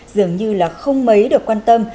dường như là không mấy được quan tâm